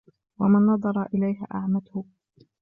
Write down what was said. وَمَنْ نَظَرَ إلَيْهَا أَعْمَتْهُ